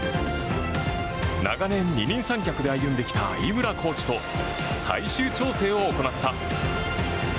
長年、二人三脚で歩んできた井村コーチと最終調整を行った。